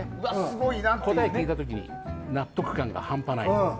答えを聞いた時に納得感が半端ないです。